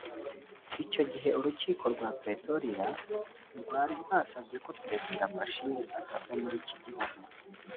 Icyo gihe urukiko rwa Pretoria rwari rwasabye ko Perezida Bashir atava muri iki gihugu